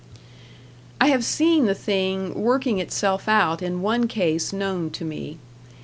I have seen the thing working itself out in one case known to me.